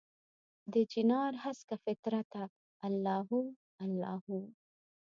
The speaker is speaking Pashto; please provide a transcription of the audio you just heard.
دچنارهسکه فطرته الله هو، الله هو